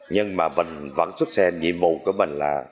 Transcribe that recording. nhưng mà mình vẫn xuất xe nhiệm vụ của mình là